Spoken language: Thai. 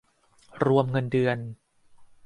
รวมเงินเดือน